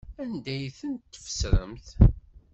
Anda ay ten-tfesremt?